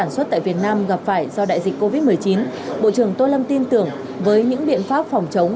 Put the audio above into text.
xuất tại việt nam gặp phải do đại dịch covid một mươi chín bộ trưởng tô lâm tin tưởng với những biện pháp phòng chống